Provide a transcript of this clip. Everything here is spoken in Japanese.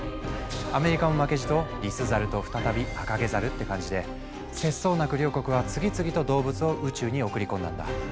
アメリカも負けじとリスザルと再びアカゲザルって感じで節操なく両国は次々と動物を宇宙に送り込んだんだ。